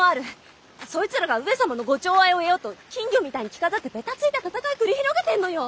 そいつらが上様のご寵愛を得ようと金魚みたいに着飾ってベタついた戦い繰り広げてんのよ！